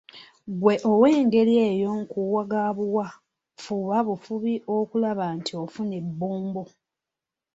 Gggwe ow'engeri eyo nkuwa ga buwa, fuba bufubi okulaba nti ofuna ebbombo.